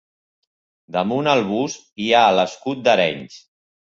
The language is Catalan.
Damunt el bust hi ha l'escut d'Arenys.